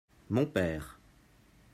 mon père.